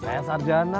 sambil berjualan cilok